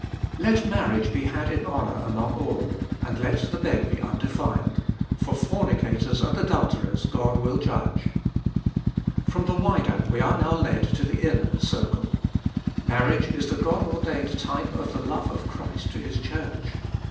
Let marriage be had in honour among all, and let the bed be undefiled : for fornicators and adulterers God will judge. From the wider we are now led to the inner circle. Marriage is the God ordained type of the love of Christ to His Church.